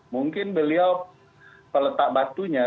mungkin beliau peletak batunya